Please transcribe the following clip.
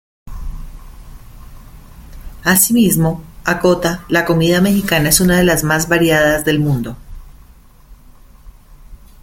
Así mismo, acota la comida mexicana es una de las más variadas del mundo.